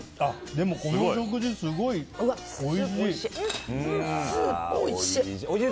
でも、この食事すごいおいしい！